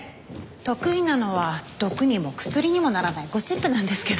得意なのは毒にも薬にもならないゴシップなんですけど。